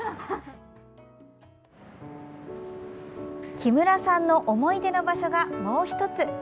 木村さんの思い出の場所がもう１つ。